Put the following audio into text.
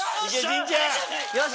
・よし！